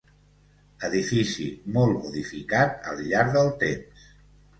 Edifici molt modificat al llarg del temps.